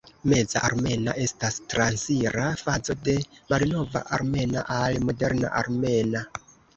Meza armena estas transira fazo de malnova armena al moderna armena.